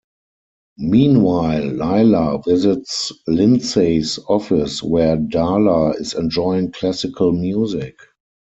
Meanwhile Lilah visits Lindsey's office where Darla is enjoying classical music.